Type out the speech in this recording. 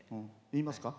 言いますか？